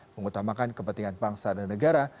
mengutamakan kepentingan bangsa dan negara